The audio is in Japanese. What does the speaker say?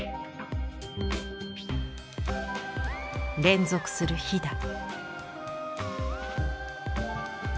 連続するひだ。